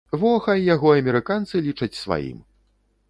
Во хай яго амерыканцы лічаць сваім.